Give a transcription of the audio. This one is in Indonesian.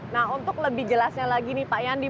nah untuk lebih jelasnya lagi nih pak yandi